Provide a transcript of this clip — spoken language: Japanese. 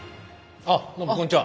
どうもこんにちは。